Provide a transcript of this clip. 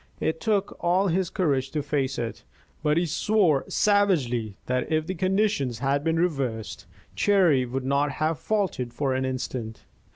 It took all his courage to face it, but he swore savagely that if the conditions had been reversed, Cherry would not have faltered for an instant.